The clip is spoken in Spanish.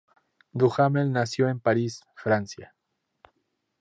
Duhamel nació en París, Francia.